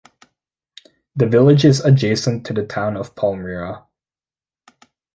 The village is adjacent to the Town of Palmyra.